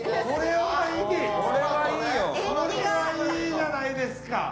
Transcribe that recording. これはいいじゃないですか！